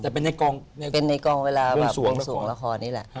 แต่เป็นในกองเวลาส่งละครนี่แหละ